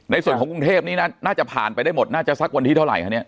ในส่วนของกรุงเทพนี่น่าจะผ่านไปได้หมดน่าจะสักวันที่เท่าไหร่คะเนี่ย